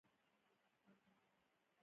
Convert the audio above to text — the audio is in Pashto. هوا د افغان کلتور سره تړاو لري.